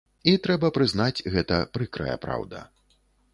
І трэба прызнаць, гэта прыкрая праўда.